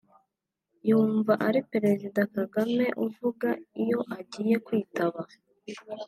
yumva ari Perezida Kagame uvuga iyo agiye kwitaba